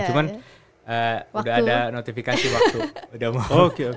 cuma sudah ada notifikasi waktu